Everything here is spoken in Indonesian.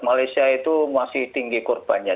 malaysia itu masih tinggi korbannya